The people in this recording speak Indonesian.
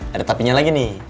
ada tapi nya lagi nih